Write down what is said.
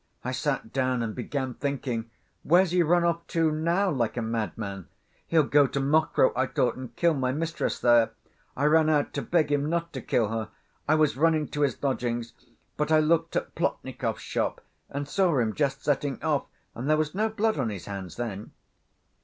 I sat down and began thinking, where's he run off to now like a madman? He'll go to Mokroe, I thought, and kill my mistress there. I ran out to beg him not to kill her. I was running to his lodgings, but I looked at Plotnikov's shop, and saw him just setting off, and there was no blood on his hands then."